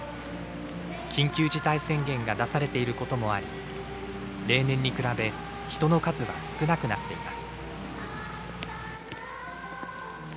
緊急事態宣言が出されていることもあり例年に比べ人の数は少なくなっています。